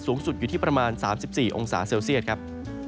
สูงสุดอยู่ที่ประมาณ๓๔องศาเซลเซียตครับ